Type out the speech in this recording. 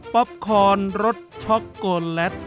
ป๊อปคอนรถช็อกโกแลต